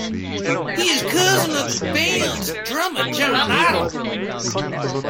He is the cousin of the band's drummer, John Otto.